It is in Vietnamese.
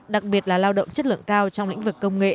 đặc biệt là lao động chất lượng cao trong lĩnh vực công nghệ